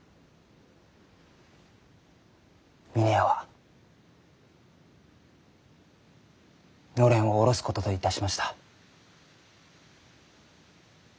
峰屋はのれんを下ろすことといたしました。